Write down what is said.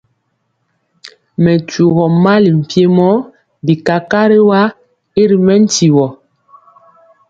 Mɛ tyugɔ mali mpiemɔ bi kakariwa y ri mɛntiwɔ.